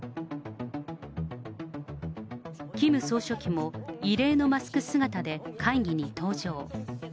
キム総書記も異例のマスク姿で会議に登場。